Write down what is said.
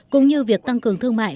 cũng như việc tăng cường thương mại